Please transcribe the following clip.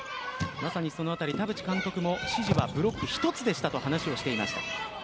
その辺り、田渕監督も指示はブロック一つでしたと話をしていました。